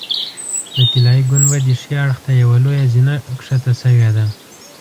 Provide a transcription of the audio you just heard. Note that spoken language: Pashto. د طلایي ګنبدې ښي اړخ ته یوه لویه زینه ښکته شوې ده.